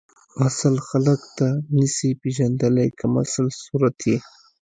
اصل خلک ته نسی پیژندلی کمسل صورت یی